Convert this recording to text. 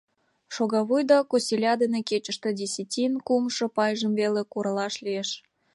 Шогавуй да косиля дене кечыште десятинын кумшо пайжым веле куралаш лиеш.